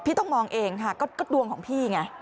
พี่ต้องมองเองก็ดวงของพี่